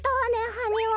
ハニワ。